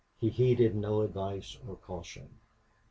He heeded no advice or caution.